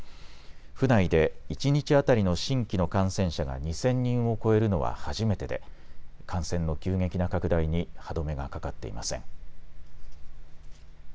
府内で一日当たりの新規の感染者が２０００人を超えるのは初めてで感染の急激な拡大に歯止めがかかっていません。